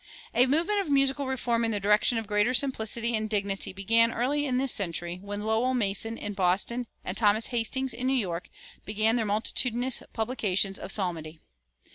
A movement of musical reform in the direction of greater simplicity and dignity began early in this century, when Lowell Mason in Boston and Thomas Hastings in New York began their multitudinous publications of psalmody.